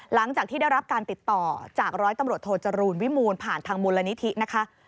หลังจากที่ได้รับการติดต่อจากร้อยตำรวจโทจรูลวิมูลผ่านทางมูลนิธินะคะ